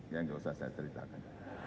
ya enggak usah saya ceritakan